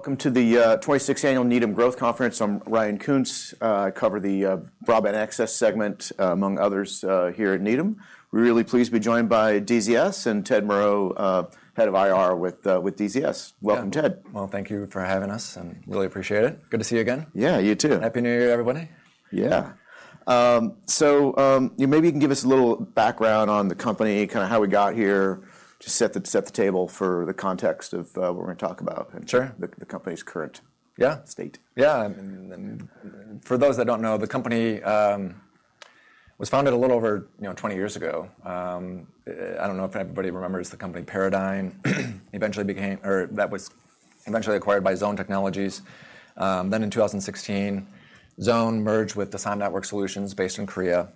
Welcome to the 26th annual Needham Growth Conference. I'm Ryan Koontz. I cover the broadband access segment, among others, here at Needham. We're really pleased to be joined by DZS and Ted Moreau, Head of IR with DZS. Yeah. Welcome, Ted. Well, thank you for having us, and really appreciate it. Good to see you again. Yeah, you too. Happy New Year, everybody. Yeah. So, yeah, maybe you can give us a little background on the company, kind of how we got here, just set the, set the table for the context of what we're gonna talk about- Sure the company's current- Yeah - state. Yeah. And, and- For those that don't know, the company was founded a little over, you know, 20 years ago. I don't know if anybody remembers the company Paradyne. It eventually became... Or that was eventually acquired by Zhone Technologies. Then in 2016, Zhone merged with the DASAN Network Solutions based in Korea,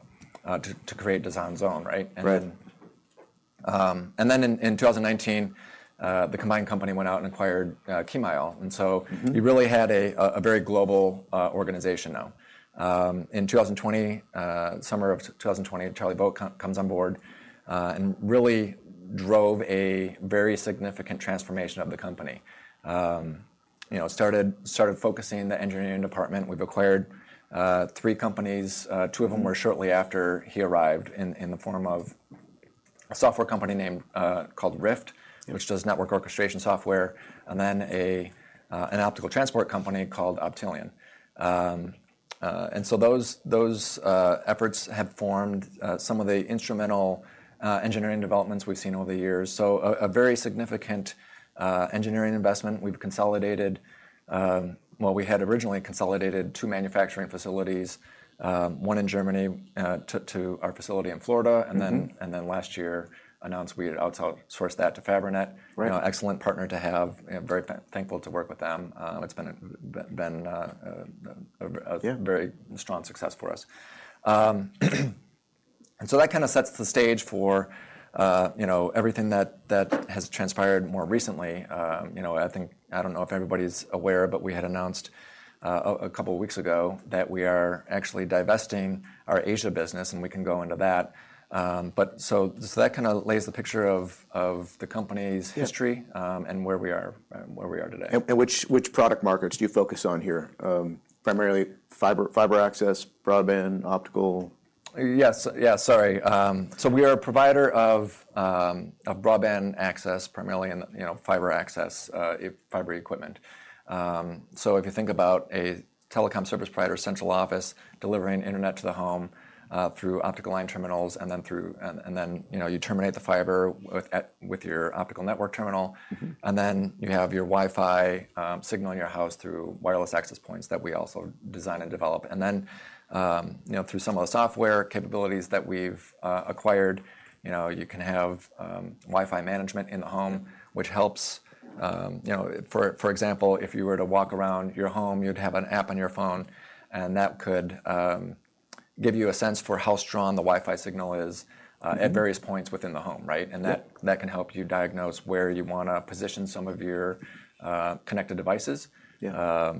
to create DASAN Zhone, right? Right. And then in 2019, the combined company went out and acquired KEYMILE. And so- Mm-hmm... you really had a very global organization now. In 2020, summer of 2020, Charlie Vogt comes on board, and really drove a very significant transformation of the company. You know, started focusing the engineering department. We've acquired three companies, Mm-hmm... two of them were shortly after he arrived, in the form of a software company named, called RIFT- Yeah... which does network orchestration software, and then an optical transport company called Optelian. And so those efforts have formed some of the instrumental engineering developments we've seen over the years, so a very significant engineering investment. We've consolidated, well, we had originally consolidated two manufacturing facilities, one in Germany, to our facility in Florida. Mm-hmm. And then last year announced we had outsourced that to Fabrinet. Right. An excellent partner to have, and very thankful to work with them. It's been a- Yeah... very strong success for us. And so that kind of sets the stage for, you know, everything that has transpired more recently. You know, I don't know if everybody's aware, but we had announced a couple of weeks ago that we are actually divesting our Asia business, and we can go into that. But so that kind of lays the picture of the company's history- Yeah... and where we are, and where we are today. Which product markets do you focus on here? Primarily fiber access, broadband, optical? Yes. Yeah, sorry. So we are a provider of broadband access, primarily in, you know, fiber access, fiber equipment. So if you think about a telecom service provider's central office delivering internet to the home, through optical line terminals, and then, you know, you terminate the fiber with your optical network terminal. Mm-hmm. Then you have your Wi-Fi signal in your house through wireless access points that we also design and develop. Then, you know, through some of the software capabilities that we've acquired, you know, you can have Wi-Fi management in the home, which helps, you know. For example, if you were to walk around your home, you'd have an app on your phone, and that could give you a sense for how strong the Wi-Fi signal is. Mm-hmm... at various points within the home, right? Yeah. That can help you diagnose where you wanna position some of your connected devices. Yeah.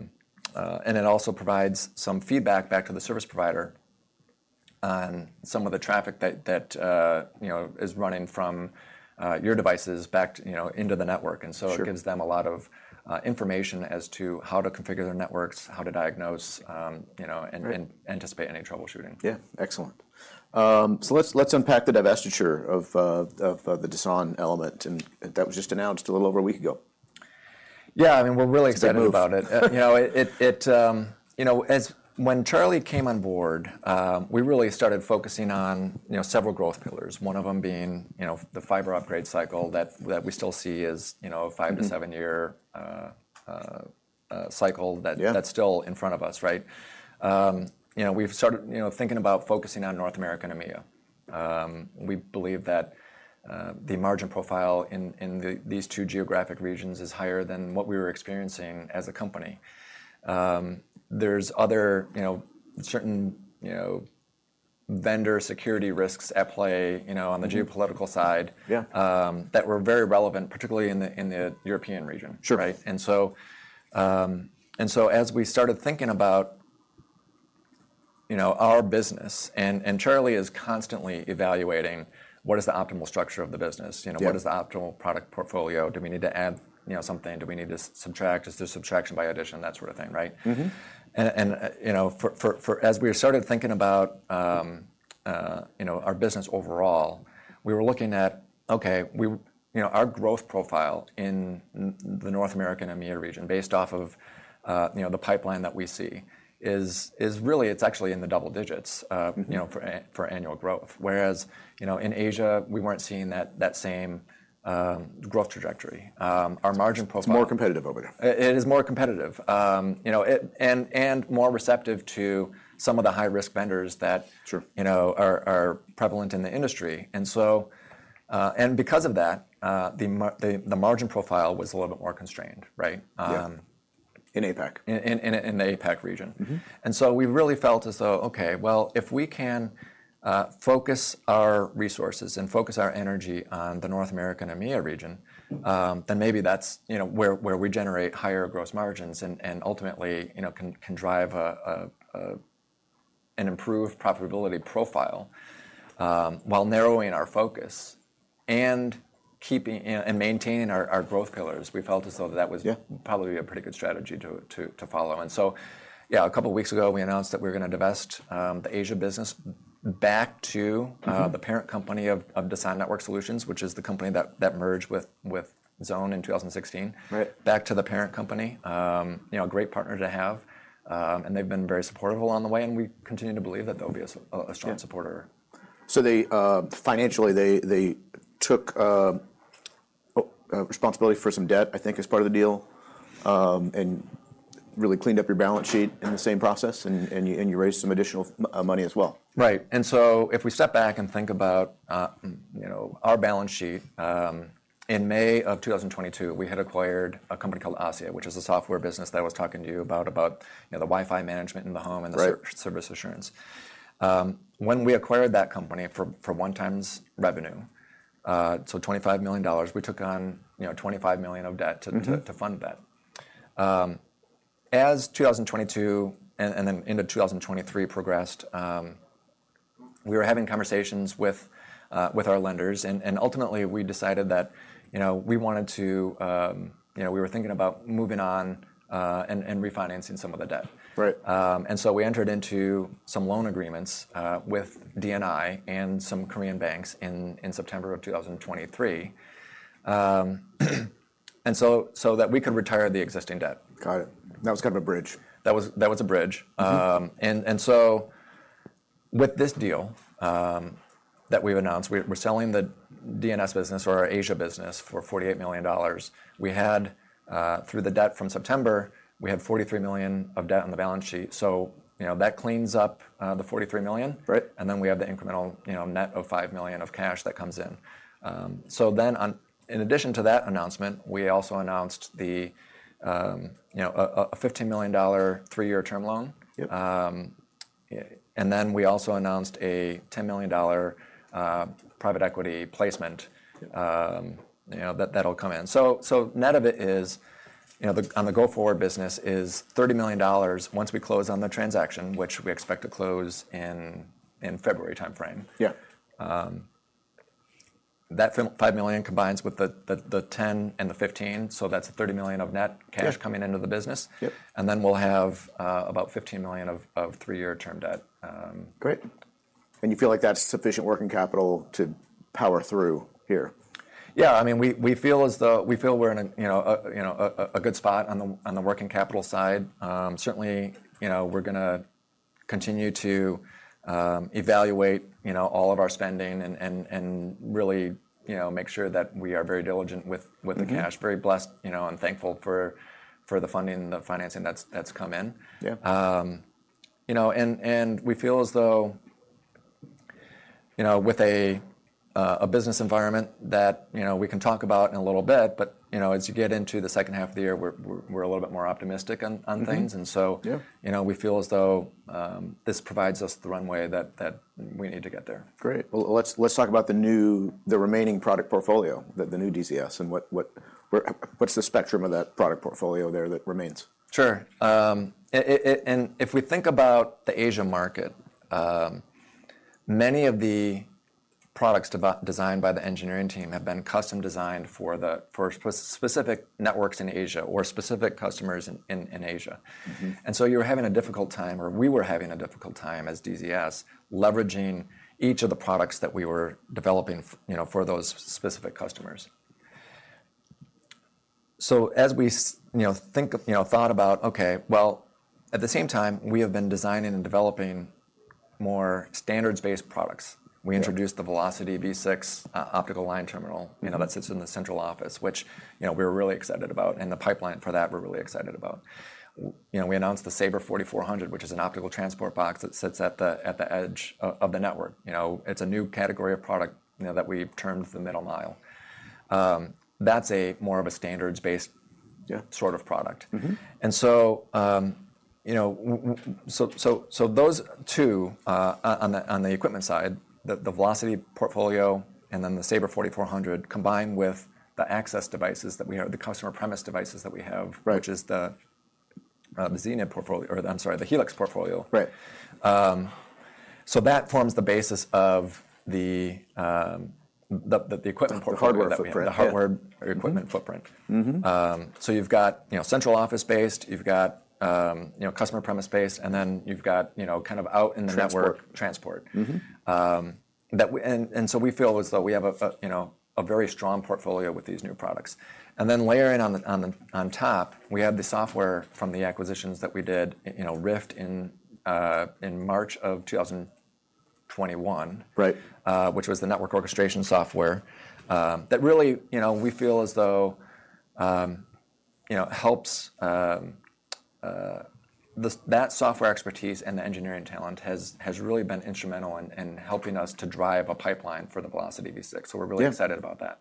It also provides some feedback back to the service provider on some of the traffic that you know is running from your devices back you know into the network. Sure. It gives them a lot of information as to how to configure their networks, how to diagnose, you know- Right... and anticipate any troubleshooting. Yeah. Excellent. So let's unpack the divestiture of the DASAN element, and that was just announced a little over a week ago. Yeah, I mean, we're really excited- It's a big move.... about it. You know, when Charlie came on board, we really started focusing on, you know, several growth pillars, one of them being, you know, the fiber upgrade cycle that we still see as, you know- Mm-hmm... a five- to seven-year cycle that- Yeah... that's still in front of us, right? You know, we've started, you know, thinking about focusing on North America and EMEA. We believe that the margin profile in these two geographic regions is higher than what we were experiencing as a company. There's other, you know, certain, you know, vendor security risks at play, you know- Mm-hmm... on the geopolitical side- Yeah... that were very relevant, particularly in the European region. Sure. Right? And so as we started thinking about, you know, our business, and Charlie is constantly evaluating: What is the optimal structure of the business? Yeah. You know, what is the optimal product portfolio? Do we need to add, you know, something? Do we need to subtract? Is there subtraction by addition? That sort of thing, right? Mm-hmm. As we started thinking about, you know, our business overall, we were looking at, you know, our growth profile in the North American EMEA region, based off of, you know, the pipeline that we see, is really. It's actually in the double digits. Mm-hmm... you know, for a, for annual growth. Whereas, you know, in Asia, we weren't seeing that, that same, growth trajectory. Our margin profile- It's more competitive over there. It is more competitive. You know, and more receptive to some of the high-risk vendors that- Sure... you know, are prevalent in the industry. And so, because of that, the margin profile was a little bit more constrained, right? Yeah. In APAC. In the APAC region. Mm-hmm. And so we really felt as though, okay, well, if we can focus our resources and focus our energy on the North American EMEA region- Mm-hmm... then maybe that's, you know, where we generate higher gross margins and ultimately, you know, can drive and improve profitability profile, while narrowing our focus and keeping and maintaining our growth pillars, we felt as though that was- Yeah... probably a pretty good strategy to follow. And so, yeah, a couple of weeks ago, we announced that we're gonna divest the Asia business back to- Mm... the parent company of DASAN Network Solutions, which is the company that merged with Zhone in 2016. Right. Back to the parent company. You know, a great partner to have, and they've been very supportive along the way, and we continue to believe that they'll be a strong- Yeah... supporter. So they financially took responsibility for some debt, I think, as part of the deal, and really cleaned up your balance sheet in the same process, and you raised some additional money as well. Right. So if we step back and think about, you know, our balance sheet, in May of 2022, we had acquired a company called ASSIA, which is a software business that I was talking to you about, you know, the Wi-Fi management in the home- Right... and the service assurance. When we acquired that company for 1x revenue, so $25 million, we took on, you know, $25 million of debt- Mm-hmm... to fund that. As 2022, and then into 2023 progressed, we were having conversations with our lenders, and ultimately, we decided that, you know, we wanted to... You know, we were thinking about moving on, and refinancing some of the debt. Right. We entered into some loan agreements with DNI and some Korean banks in September of 2023, so that we could retire the existing debt. Got it. That was kind of a bridge. That was a bridge. Mm-hmm. And so with this deal that we've announced, we're selling the DNS business or our Asia business for $48 million. We had, through the debt from September, we had $43 million of debt on the balance sheet. So, you know, that cleans up the $43 million. Right. Then we have the incremental, you know, net of $5 million of cash that comes in. So then in addition to that announcement, we also announced the, you know, a $15 million, three-year term loan. Yep. And then we also announced a $10 million private equity placement- Yep... you know, that, that'll come in. So net of it is, you know, on the go-forward business is $30 million once we close on the transaction, which we expect to close in February timeframe. Yeah. That $5 million combines with the $10 million and the $15 million, so that's $30 million of net cash. Yeah... coming into the business. Yep. And then we'll have about $15 million of three-year term debt. Great. You feel like that's sufficient working capital to power through here? Yeah, I mean, we feel as though... We feel we're in a, you know, good spot on the working capital side. Certainly, you know, we're gonna continue to evaluate, you know, all of our spending and really, you know, make sure that we are very diligent with the cash. Mm-hmm. Very blessed, you know, and thankful for the funding and the financing that's come in. Yeah. You know, and we feel as though, you know, with a business environment that, you know, we can talk about in a little bit, but, you know, as you get into the second half of the year, we're a little bit more optimistic on things. Mm-hmm. And so- Yeah... you know, we feel as though this provides us the runway that we need to get there. Great. Well, let's talk about the remaining product portfolio, the new DZS and what's the spectrum of that product portfolio there that remains? Sure. And if we think about the Asia market, many of the products designed by the engineering team have been custom-designed for specific networks in Asia or specific customers in Asia. Mm-hmm. You're having a difficult time, or we were having a difficult time as DZS, leveraging each of the products that we were developing, you know, for those specific customers. As we, you know, thought about, okay, well, at the same time, we have been designing and developing more standards-based products. Yeah. We introduced the Velocity V6, optical line terminal- Mm-hmm... you know, that sits in the central office, which, you know, we're really excited about, and the pipeline for that, we're really excited about. You know, we announced the Saber 4400, which is an optical transport box that sits at the edge of the network. You know, it's a new category of product, you know, that we've termed the middle mile. That's more of a standards-based- Yeah... sort of product. Mm-hmm. And so, you know, so those two on the equipment side, the Velocity portfolio and then the Saber 4400, combined with the access devices that we have, the customer premise devices that we have- Right... which is the, the Xenia portfolio, or I'm sorry, the Helix portfolio. Right. So that forms the basis of the equipment portfolio- The hardware footprint... the hardware or equipment footprint. Mm-hmm. So you've got, you know, central office-based, you've got, you know, customer premise-based, and then you've got, you know, kind of out in the network- Transport... transport. Mm-hmm. and so we feel as though we have a, you know, a very strong portfolio with these new products. And then layering on the, on top, we have the software from the acquisitions that we did, you know, RIFT in March of 2021- Right... which was the network orchestration software that really, you know, we feel as though, you know, helps. That software expertise and the engineering talent has really been instrumental in helping us to drive a pipeline for the Velocity V6. Yeah. So we're really excited about that.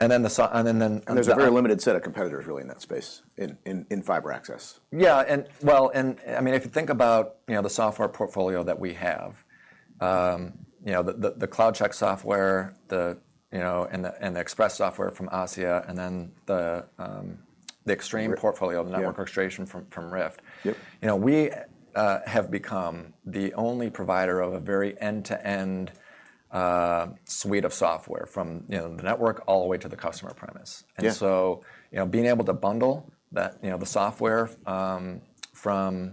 And then... There's a very limited set of competitors, really, in that space, in fiber access. Yeah, well, I mean, if you think about, you know, the software portfolio that we have, you know, the CloudCheck software, you know, and the Expresse software from ASSIA, and then the Xtreme portfolio, the network orchestration from RIFT. Yep. You know, we have become the only provider of a very end-to-end suite of software from, you know, the network all the way to the customer premise. Yeah. And so, you know, being able to bundle that, you know, the software from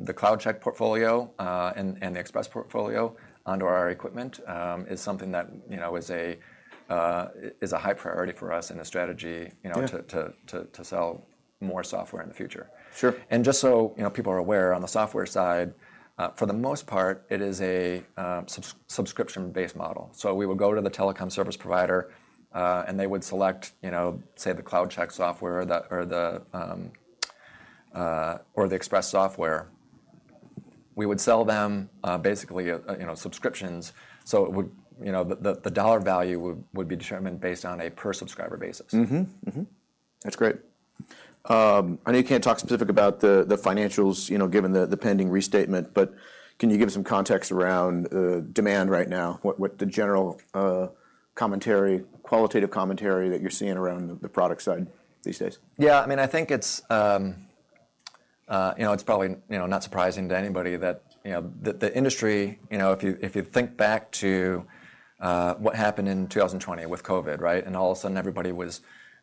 the CloudCheck portfolio and the Expresse portfolio onto our equipment is something that, you know, is a high priority for us and a strategy, you know- Yeah... to sell more software in the future. Sure. Just so you know, people are aware, on the software side, for the most part, it is a subscription-based model. So we will go to the telecom service provider, and they would select, you know, say, the CloudCheck software or the Expresse software. We would sell them, basically, you know, subscriptions, so it would, you know, the dollar value would be determined based on a per subscriber basis. Mm-hmm. Mm-hmm. That's great. I know you can't talk specific about the financials, you know, given the pending restatement, but can you give some context around demand right now? What the general commentary—qualitative commentary that you're seeing around the product side these days? Yeah. I mean, I think it's, you know, it's probably, you know, not surprising to anybody that, you know, the industry, you know, if you think back to what happened in 2020 with COVID, right? And all of a sudden everybody was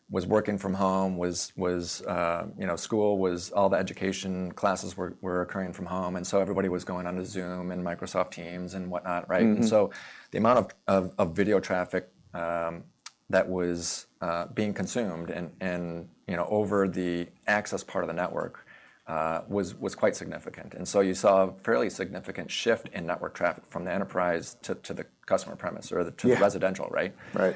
working from home, you know, school was. All the education classes were occurring from home, and so everybody was going onto Zoom and Microsoft Teams and whatnot, right? Mm-hmm. And so the amount of video traffic that was being consumed and you know over the access part of the network was quite significant. And so you saw a fairly significant shift in network traffic from the enterprise to the customer premise or the- Yeah... to the residential, right? Right.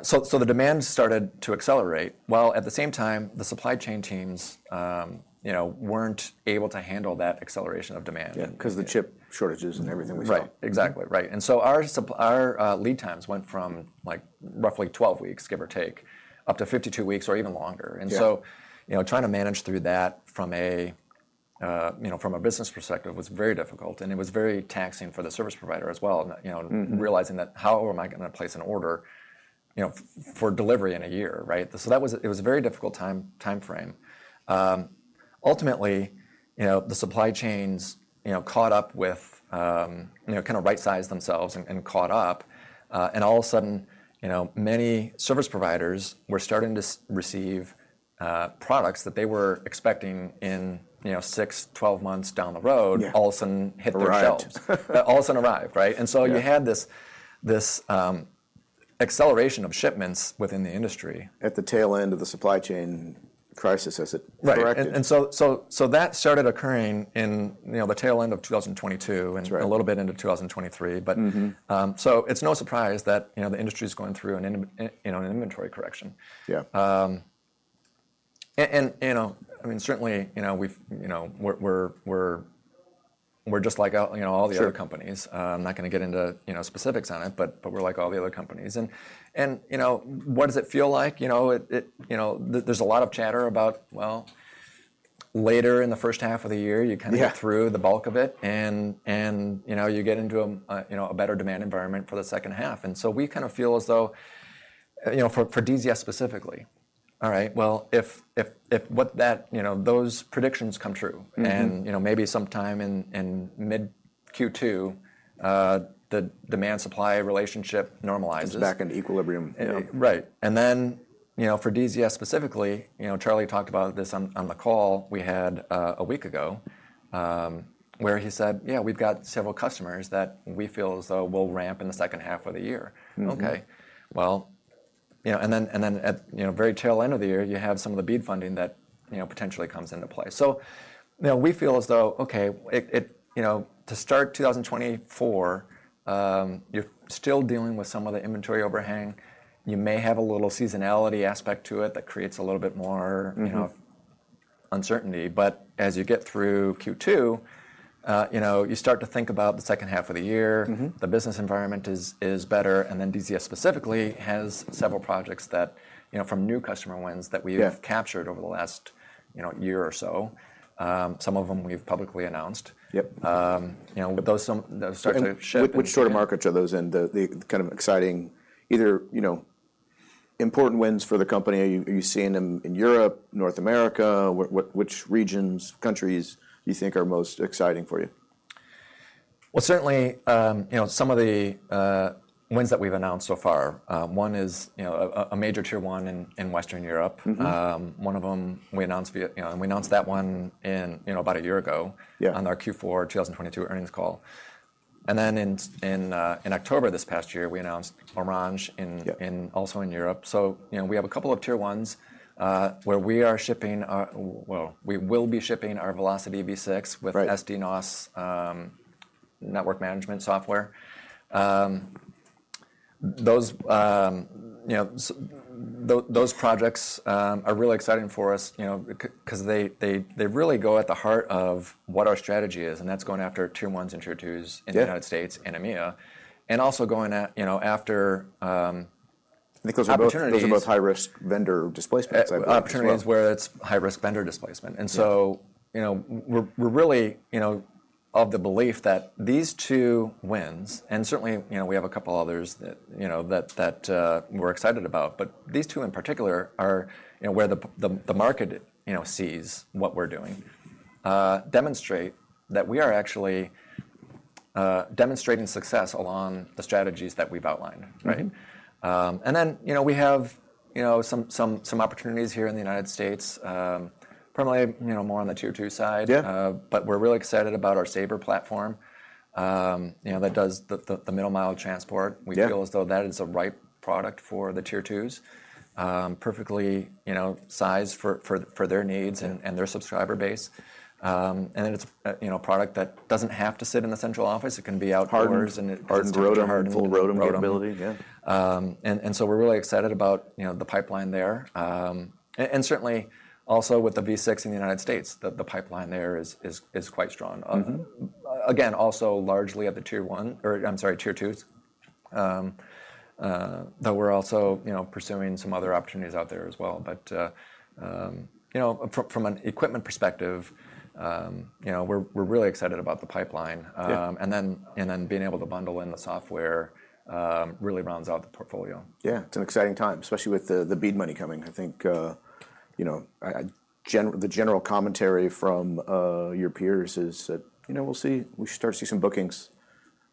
So, the demand started to accelerate, while at the same time, the supply chain teams, you know, weren't able to handle that acceleration of demand. Yeah, 'cause the chip shortages and everything we saw. Right. Exactly, right. And so our lead times went from, like, roughly 12 weeks, give or take, up to 52 weeks or even longer. Yeah. And so, you know, trying to manage through that from a, you know, from a business perspective was very difficult, and it was very taxing for the service provider as well. Mm-hmm. You know, realizing that: How am I gonna place an order, you know, for delivery in a year, right? So that was... It was a very difficult time, timeframe. Ultimately, you know, the supply chains, you know, caught up with, you know, kind of rightsized themselves and caught up. And all of a sudden, you know, many service providers were starting to receive products that they were expecting in, you know, six, 12 months down the road. Yeah... all of a sudden hit their shelves. Arrived. All of a sudden arrived, right? Yeah. And so you had this acceleration of shipments within the industry. At the tail end of the supply chain crisis, as it corrected. Right. So that started occurring in, you know, the tail end of 2022- That's right... and a little bit into 2023. Mm-hmm. It's no surprise that, you know, the industry is going through, you know, an inventory correction. Yeah. And, you know, I mean, certainly, you know, we've, you know, we're just like out, you know, all the other companies. Sure. I'm not gonna get into, you know, specifics on it, but we're like all the other companies. And you know, what does it feel like? You know, it... You know, there's a lot of chatter about, well, later in the first half of the year- Yeah... you kind of get through the bulk of it, and you know, you get into a you know, a better demand environment for the second half. And so we kind of feel as though, you know, for DZS specifically, all right, well, if what that, you know, those predictions come true- Mm-hmm... and, you know, maybe sometime in mid-Q2, the demand-supply relationship normalizes. Comes back into equilibrium. Yeah. Right. And then, you know, for DZS specifically, you know, Charlie talked about this on the call we had, a week ago, where he said: "Yeah, we've got several customers that we feel as though will ramp in the second half of the year. Mm-hmm. Okay, well, you know, and then at, you know, very tail end of the year, you have some of the BEAD funding that, you know, potentially comes into play. So, you know, we feel as though, okay, it... You know, to start 2024, you're still dealing with some of the inventory overhang. You may have a little seasonality aspect to it that creates a little bit more- Mm-hmm... you know, uncertainty. But as you get through Q2, you know, you start to think about the second half of the year. Mm-hmm. The business environment is better, and then DZS specifically has several projects that, you know, from new customer wins, that we- Yeah... have captured over the last, you know, year or so. Some of them we've publicly announced. Yep. You know, but those start to ship- Which sort of markets are those in? The kind of exciting... Either, you know, important wins for the company. Are you seeing them in Europe, North America? What, which regions, countries do you think are most exciting for you? Well, certainly, you know, some of the wins that we've announced so far, one is, you know, a major Tier 1 in Western Europe. Mm-hmm. One of them we announced via... You know, and we announced that one in, you know, about a year ago- Yeah... on our Q4 2022 earnings call. Then in October this past year, we announced Orange in- Yeah... in, also in Europe. So, you know, we have a couple of Tier 1s, where we are shipping our... Well, we will be shipping our Velocity V6- Right... with SD-NOS, network management software. Those projects are really exciting for us, you know, 'cause they really go at the heart of what our strategy is, and that's going after Tier 1s and Tier 2s- Yeah... in the United States and EMEA, and also going, you know, after opportunities. I think those are both, those are both high-risk vendor displacements, I believe, as well. Opportunities where it's high-risk vendor displacement. Yeah. And so, you know, we're really, you know, of the belief that these two wins, and certainly, you know, we have a couple others that, you know, that we're excited about, but these two in particular are, you know, where the, the market, you know, sees what we're doing, demonstrate that we are actually demonstrating success along the strategies that we've outlined. Right. And then, you know, we have, you know, some opportunities here in the United States, primarily, you know, more on the Tier 2 side. Yeah. But we're really excited about our Saber platform. You know, that does the middle-mile transport. Yeah. We feel as though that is a ripe product for the Tier 2s. Perfectly, you know, sized for their needs and their subscriber base. It's, you know, a product that doesn't have to sit in the central office. It can be outdoors- Hardened. It can be hardened. Hardened ROADM and full ROADM capability, yeah. And so we're really excited about, you know, the pipeline there. And certainly also with the V6 in the United States, the pipeline there is quite strong. Mm-hmm. Again, also largely at the Tier 1, or I'm sorry, Tier 2s. Though we're also, you know, pursuing some other opportunities out there as well. But, you know, from an equipment perspective, you know, we're really excited about the pipeline. Yeah. And then being able to bundle in the software really rounds out the portfolio. Yeah. It's an exciting time, especially with the BEAD money coming. I think, you know, the general commentary from your peers is that, you know, we should start to see some bookings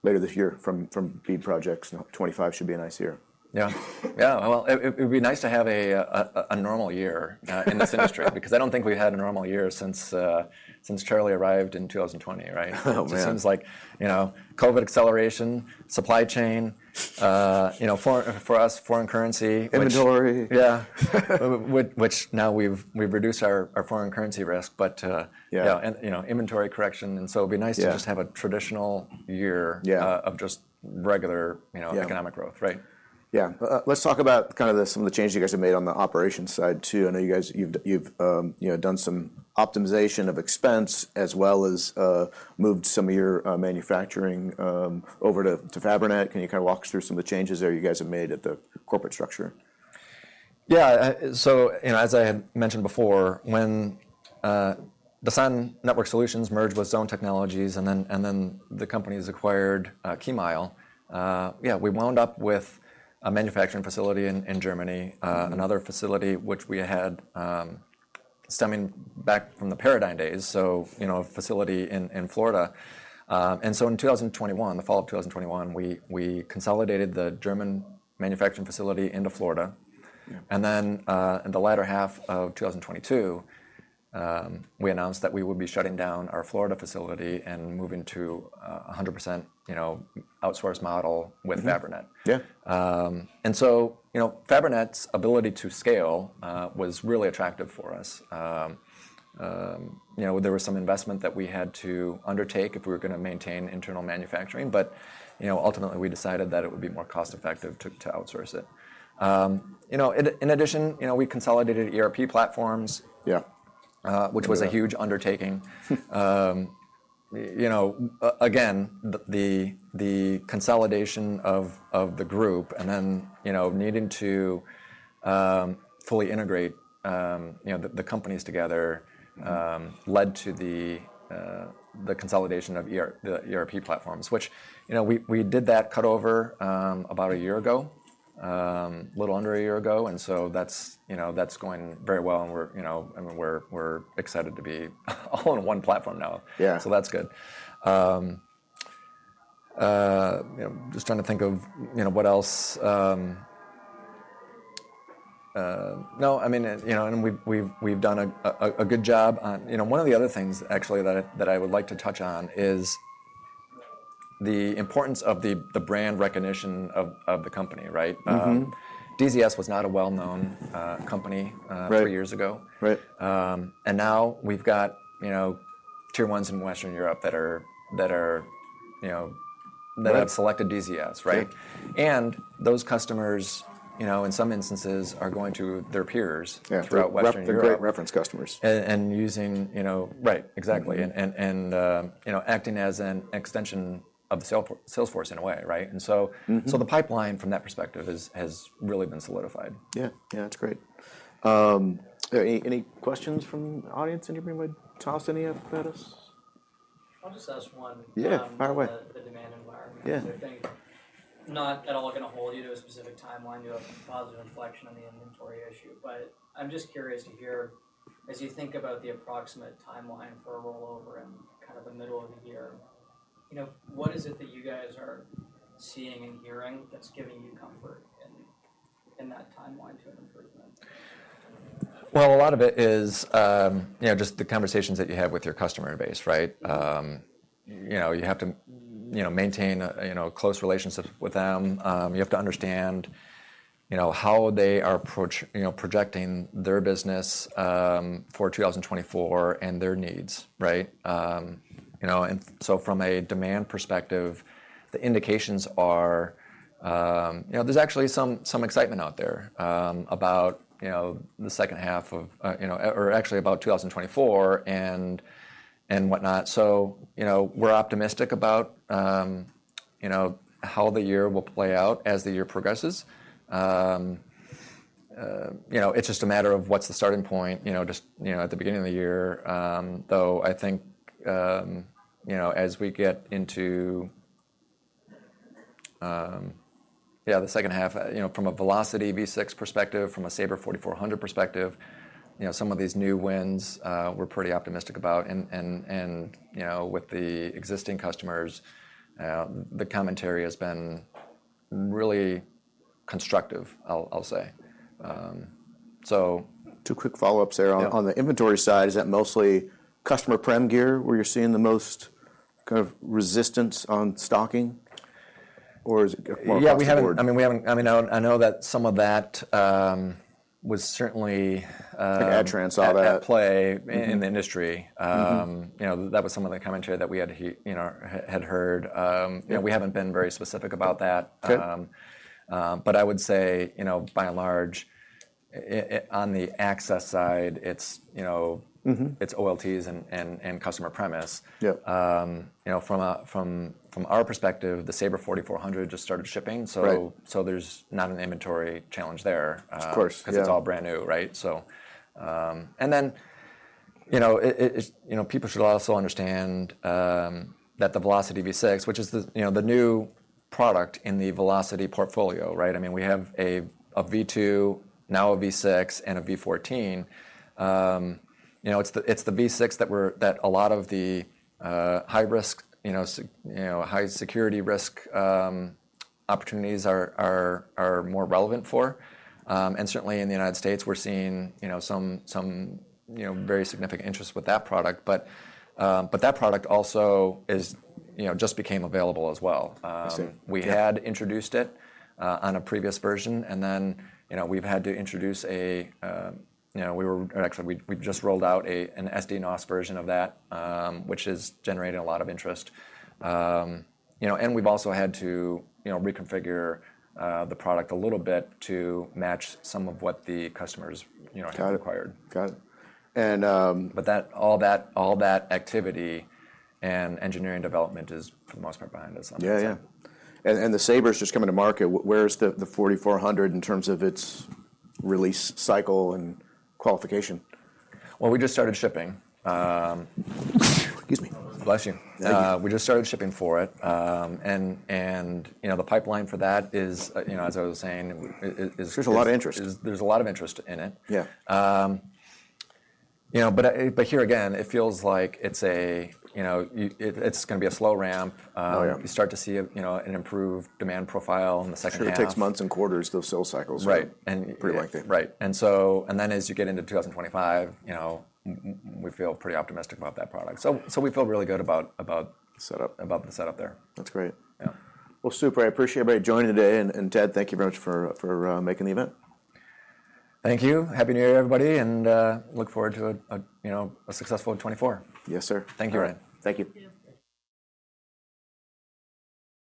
later this year from BEAD projects. You know, 2025 should be a nice year. Yeah. Yeah. Well, it would be nice to have a normal year in this industry, because I don't think we've had a normal year since Charlie arrived in 2020, right? Oh, man. It seems like, you know, COVID acceleration, supply chain, you know, for us, foreign currency, which- Inventory. Yeah. Which now we've reduced our foreign currency risk. But- Yeah. You know, and you know, inventory correction, and so it'll be nice- Yeah... to just have a traditional year- Yeah... of just regular, you know- Yeah... economic growth, right? Yeah. Let's talk about kind of some of the changes you guys have made on the operations side, too. I know you guys, you've you know, done some optimization of expense as well as, moved some of your manufacturing over to Fabrinet. Can you kind of walk us through some of the changes there you guys have made at the corporate structure? Yeah, so, and as I had mentioned before, when the DASAN Network Solutions merged with Zhone Technologies, and then the company acquired KEYMILE, yeah, we wound up with a manufacturing facility in Germany. Mm-hmm. Another facility which we had, stemming back from the Paradyne days, so, you know, a facility in Florida. And so in 2021, the fall of 2021, we consolidated the German manufacturing facility into Florida. Yeah. And then, in the latter half of 2022, we announced that we would be shutting down our Florida facility and moving to a 100%, you know, outsource model. Mm-hmm... with Fabrinet. Yeah. And so, you know, Fabrinet's ability to scale was really attractive for us. You know, there was some investment that we had to undertake if we were gonna maintain internal manufacturing, but, you know, ultimately, we decided that it would be more cost-effective to outsource it. You know, in addition, you know, we consolidated ERP platforms- Yeah... uh- Yeah ...which was a huge undertaking. You know, again, the consolidation of the group and then, you know, needing to fully integrate, you know, the companies together led to the consolidation of the ERP platforms, which, you know, we did that cut over about a year ago, a little under a year ago, and so that's, you know, that's going very well, and we're, you know, I mean, we're excited to be all on one platform now. Yeah. So that's good. You know, just trying to think of, you know, what else. No, I mean, you know, and we've done a good job on. You know, one of the other things actually that I would like to touch on is the importance of the brand recognition of the company, right? Mm-hmm. DZS was not a well-known company. Right... three years ago. Right. and now we've got, you know, Tier 1s in Western Europe that are, you know- Right... that have selected DZS, right? Yeah. Those customers, you know, in some instances, are going to their peers- Yeah... throughout Western Europe. They're great reference customers. and using, you know... Right. Exactly. Mm-hmm. And you know, acting as an extension of the sales force in a way, right? And so- Mm-hmm... so the pipeline from that perspective has really been solidified. Yeah. Yeah, that's great. Are there any questions from the audience anybody would toss any up at us? I'll just ask one- Yeah, fire away.... the demand environment. Yeah. So I think, not at all gonna hold you to a specific timeline, you have a positive inflection on the inventory issue, but I'm just curious to hear, as you think about the approximate timeline for a rollover in kind of the middle of the year, you know, what is it that you guys are seeing and hearing that's giving you comfort in that timeline to an improvement? Well, a lot of it is, you know, just the conversations that you have with your customer base, right? You know, you have to, you know, maintain a, you know, a close relationship with them. You have to understand, you know, how they are approach, you know, projecting their business, for 2024 and their needs, right? And so from a demand perspective, the indications are, you know, there's actually some, some excitement out there, about, you know, the second half of, or actually about 2024 and, and whatnot. So, you know, we're optimistic about, you know, how the year will play out as the year progresses. You know, it's just a matter of what's the starting point, you know, just, you know, at the beginning of the year. Though I think, you know, as we get into the second half, you know, from a Velocity V6 perspective, from a Saber 4400 perspective, you know, some of these new wins, we're pretty optimistic about. And you know, with the existing customers, the commentary has been really constructive, I'll say. So- Two quick follow-ups there. Yeah. On the inventory side, is that mostly customer prem gear, where you're seeing the most kind of resistance on stocking? Or is it- Yeah, we haven't- Or across the board? I mean, we haven't... I mean, I know that some of that was certainly... I think Adtran saw that.... at play in the industry. Mm-hmm. You know, that was some of the commentary that we had heard. Yeah. We haven't been very specific about that. Okay. But I would say, you know, by and large, on the access side, it's, you know- Mm-hmm... it's OLTs and customer premise. Yeah. You know, from our perspective, the Saber 4400 just started shipping. Right. So, there's not an inventory challenge there. Of course, yeah.... 'cause it's all brand new, right? So, and then, you know, it, you know, people should also understand that the Velocity V6, which is the, you know, the new product in the Velocity portfolio, right? I mean, we have a V2, now a V6, and a V14. You know, it's the V6 that a lot of the high risk, you know, high security risk opportunities are more relevant for. And certainly in the United States, we're seeing, you know, some, you know- Mm-hmm... very significant interest with that product. But, but that product also is, you know, just became available as well. I see. We had introduced it on a previous version, and then, you know, we've had to introduce a you know, Actually, we've just rolled out an SD-NOS version of that, which is generating a lot of interest. You know, and we've also had to, you know, reconfigure the product a little bit to match some of what the customers, you know, have acquired. Got it. Got it. And But that, all that, all that activity and engineering development is, for the most part, behind us. Yeah, yeah. And the Saber's just coming to market. Where's the 4400 in terms of its release cycle and qualification? Well, we just started shipping. Excuse me. Bless you. Thank you. We just started shipping for it. And you know, the pipeline for that is, you know, as I was saying, it is- There's a lot of interest. There's a lot of interest in it. Yeah. You know, but here again, it feels like it's a... you know, it's gonna be a slow ramp. Oh, yeah. You start to see, you know, an improved demand profile in the second half. Sure, it takes months and quarters, those sales cycles. Right, and- Pretty likely. Right. And so and then, as you get into 2025, you know, we feel pretty optimistic about that product. So, so we feel really good about, about- The setup... about the setup there. That's great. Yeah. Well, super. I appreciate everybody joining today. And, Ted, thank you very much for making the event. Thank you. Happy New Year, everybody, and look forward to, you know, a successful 2024. Yes, sir. Thank you, Ryan. Thank you.